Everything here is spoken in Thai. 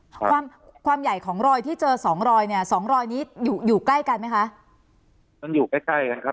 ความความใหญ่ของรอยที่เจอสองรอยเนี้ยสองรอยนี้อยู่อยู่ใกล้กันไหมคะมันอยู่ใกล้ใกล้นะครับ